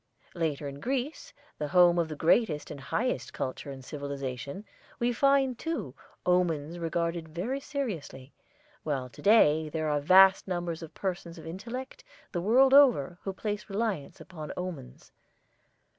Later, in Greece, the home of the greatest and highest culture and civilization, we find, too, omens regarded very seriously, while to day there are vast numbers of persons of intellect, the world over, who place reliance upon omens.